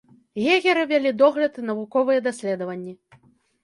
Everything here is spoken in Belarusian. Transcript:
Егеры вялі догляд і навуковыя даследаванні.